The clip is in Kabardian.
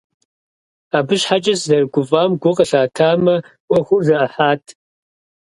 Абы щхьэкӀэ сызэрыгуфӀэм гу къылъатэмэ, Ӏуэхур зэӀыхьат.